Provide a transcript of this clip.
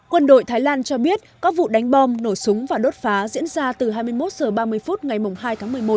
quân đội thái lan cho biết các vụ đánh bom nổ súng và đốt phá diễn ra từ hai mươi một h ba mươi phút ngày hai tháng một mươi một